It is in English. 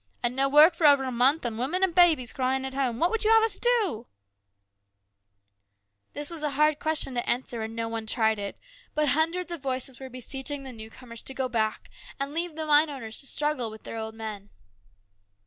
" And no work for over a month, and women and babies crying at home. What would you have us do ?" This was a hard question to answer, and no one tried it ; but hundreds of voices were beseeching the newcomers to go back and leave the mine owners to struggle with their old men.